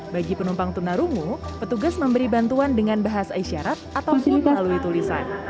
bagi penumpang tunarungu petugas memberi bantuan dengan bahas aisyarat atau melalui tulisan